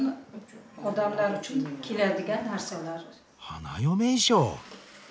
花嫁衣装。